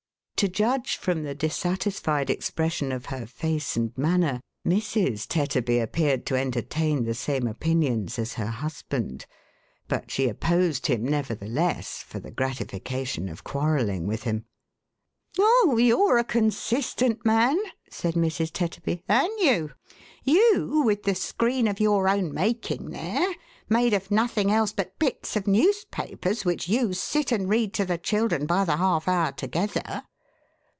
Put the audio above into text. "" To judge from the dissatisfied expression of her face and manner, Mrs. Tetterby appeared to entertain the vim» opinions as her husband ; but she opposed him, nevertheless, for the gratification of quarrelling with him. "Oh, you're a consistent man," said Mrs. Tetterby, "an't 504 THE HAUNTED MAN. you ? You, with the screen of your own making there, made of nothing else but bits of newspapers, which you sit and read to the children by the half hour together